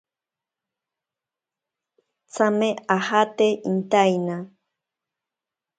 Tsame ajate intaina.